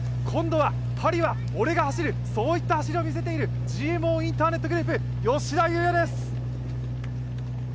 今度は、パリは俺が走る、そういった走りを見せているＧＭＯインターネットグループ・吉田祐也です。